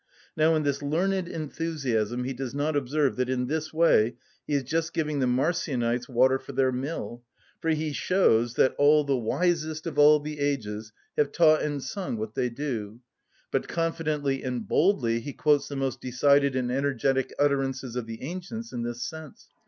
Now in this learned enthusiasm he does not observe that in this way he is just giving the Marcionites water for their mill, for he shows that "All the wisest of all the ages" have taught and sung what they do, but confidently and boldly he quotes the most decided and energetic utterances of the ancients in this sense.